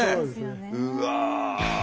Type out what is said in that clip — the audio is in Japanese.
うわ。